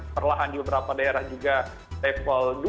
perlahan beberapa daerah juga level dua